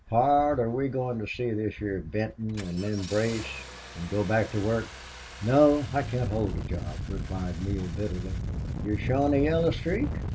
"Pard, are we goin' to see this heah Benton, an' then brace, an' go back to work?" "No. I can't hold a job," replied Neale, bitterly. "You're showin' a yellow streak?